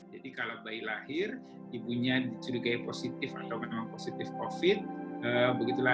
jadi kalau bayi lahir ibunya dicurigai positif atau menemukan positif covid sembilan belas